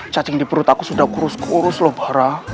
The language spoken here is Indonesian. cacing di perut aku sudah kurus kurus loh barah